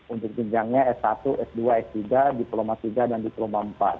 untuk jenjangnya s satu s dua s tiga diploma tiga dan diploma empat